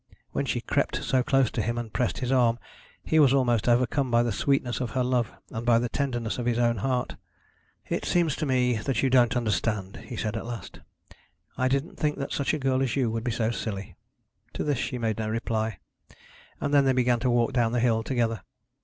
When she crept so close to him and pressed his arm, he was almost overcome by the sweetness of her love and by the tenderness of his own heart. 'It seems to me that you don't understand,' he said at last. 'I didn't think that such a girl as you would be so silly.' To this she made no reply; and then they began to walk down the hill together.